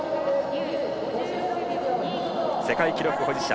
世界記録保持者